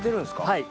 はい。